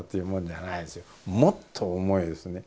もっと重いですね。